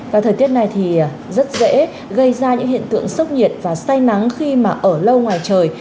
và thời tiết này thì rất dễ gây ra những hiện tượng sốc nhiệt và say nắng khi mà ở lâu ngoài trời